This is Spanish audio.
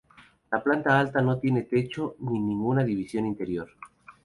La planta alta no tiene techo ni ninguna división interior.